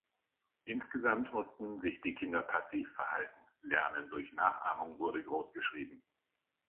Insgesamt mussten sich die Kinder passiv verhalten, Lernen durch Nachahmung wurde großgeschrieben.